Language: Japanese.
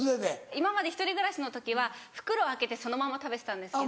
今まで１人暮らしの時は袋を開けてそのまま食べてたんですけど。